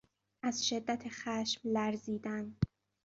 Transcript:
از شدت خشم لرزیدن